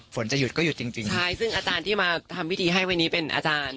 ฝนจะหยุดก็หยุดจริงจริงใช่ซึ่งอาจารย์ที่มาทำพิธีให้วันนี้เป็นอาจารย์